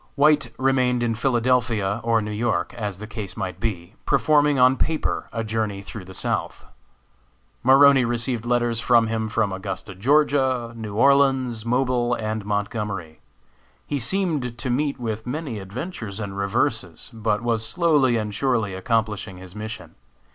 White remained in Philadelphia or New York, as the case might be, performing on paper a journey through the South. Maroney received letters from him from Augusta, Ga., New Orleans, Mobile and Montgomery. He seemed to meet with many adventures and reverses, but was slowly and surely accomplishing his mission.